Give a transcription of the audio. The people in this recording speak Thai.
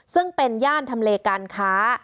ซึ่งเป็นย่านทำเลการค้า